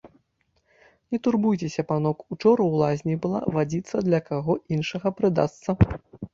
Не турбуйцеся, панок, учора ў лазні была, вадзіца для каго іншага прыдасца.